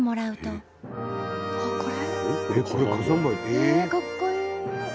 ええかっこいい！